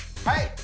はい。